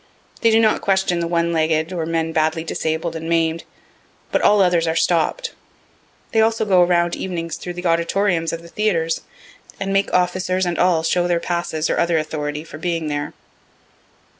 They do not question the one legged, or men badly disabled or main'd, but all others are stopt. They also go around evenings through the auditoriums of the theatres, and make officers and all show their passes, or other authority, for being there.